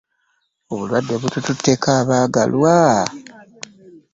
Obulwadde butututteko abaaagalwa.